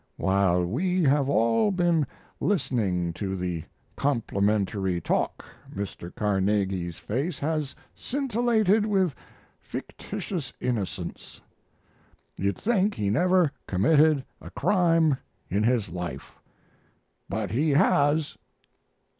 While we have all been listening to the complimentary talk Mr. Carnegie's face has scintillated with fictitious innocence. You'd think he never committed a crime in his life. But he has.